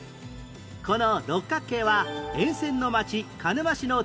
この六角形は沿線の町鹿沼市の伝統工芸